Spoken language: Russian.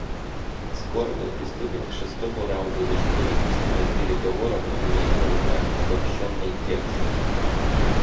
Скоро мы приступим к шестому раунду межправительственных переговоров, имея на руках обобщенный текст.